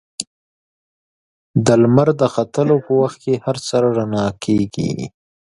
د لمر د ختلو په وخت کې هر څه رڼا کېږي.